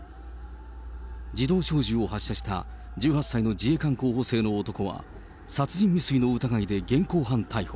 自動小銃を発射した１８歳の自衛官候補生の男は、殺人未遂の疑いで現行犯逮捕。